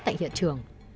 tại hiện trường